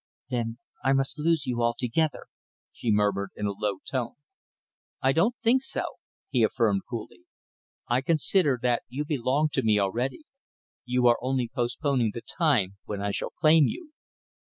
"Then I must lose you altogether," she murmured, in a low tone. "I don't think so," he affirmed coolly. "I consider that you belong to me already. You are only postponing the time when I shall claim you."